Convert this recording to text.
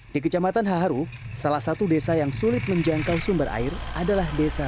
di kecamatan haharu salah satu desa yang sulit menjangkau sumber air adalah desa